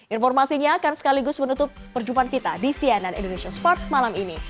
informasinya akan sekaligus menutup perjumpaan kita di cnn indonesia sports malam ini